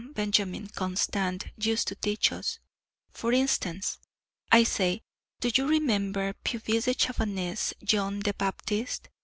Benjamin Constant used to teach us, for instance. I say, do you remember Puvis de Chavannes' "John the Baptist"?